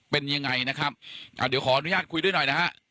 เป็นยังไงนะครับอ่าเดี๋ยวขออนุญาตคุยด้วยหน่อยนะฮะ